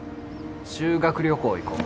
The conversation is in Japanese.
修学旅行行こう。